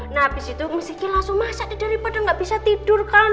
nah abis itu miss kiki langsung masak di daripada nggak bisa tidur kan bu